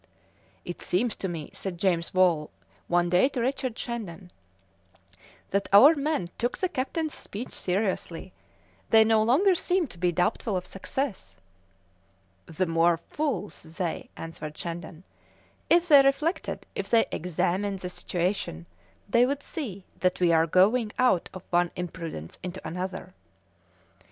"It seems to me," said James Wall one day to Richard Shandon, "that our men took the captain's speech seriously; they no longer seem to be doubtful of success." "The more fools they!" answered Shandon. "If they reflected, if they examined the situation, they would see that we are going out of one imprudence into another."